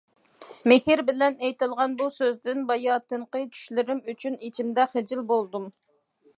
مېھىر بىلەن ئېيتىلغان بۇ سۆزدىن باياتىنقى چۈشلىرىم ئۈچۈن ئىچىمدە خىجىل بولدۇم.